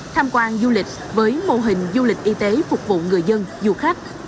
tham quan du lịch với mô hình du lịch y tế phục vụ người dân du khách